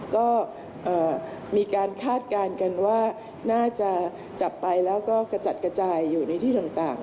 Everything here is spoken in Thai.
ก็มีการคาดการณ์กันว่าน่าจะจับไปแล้วก็กระจัดกระจายอยู่ในที่ต่าง